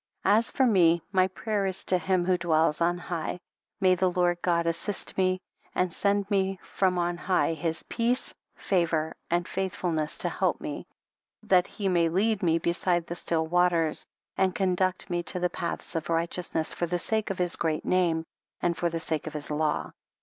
As for me, my prayer is to him who dwells on high, may the Lord God assist me, and send me from on high his peace, favor, and faithfulness to help me, that he may lead me beside the still waters, and conduct me to the paths of righteousness for the sake of his great name, and for the sake of his law.